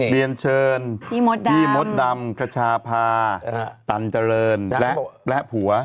เรียนเชิญพี่มดดำกระชาภาตันเจริญและผัว